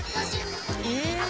え？